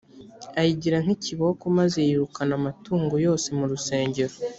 ayigira nk ikiboko maze yirukana amatungo yose mu rusengero